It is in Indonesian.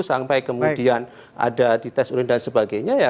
sampai kemudian ada di tes urin dan sebagainya ya